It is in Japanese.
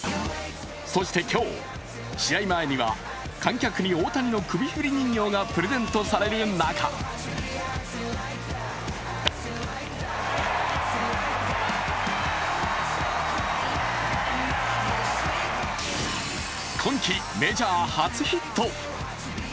そして今日、試合前には観客に大谷の首振り人形がプレゼントされる中今季メジャー初ヒット。